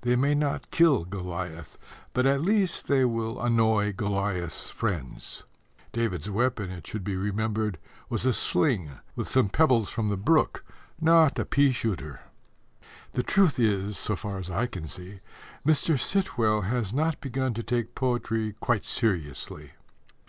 They may not kill Goliath, but at least they will annoy Goliath's friends. David's weapon, it should be remembered, was a sling, with some pebbles from the brook, not a pea shooter. The truth is, so far as I can see, Mr. Sitwell has not begun to take poetry quite seriously.